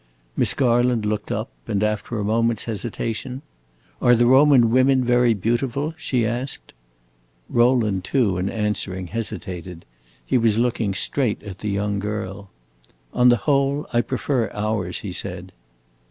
Miss Garland looked up, and, after a moment's hesitation: "Are the Roman women very beautiful?" she asked. Rowland too, in answering, hesitated; he was looking straight at the young girl. "On the whole, I prefer ours," he said.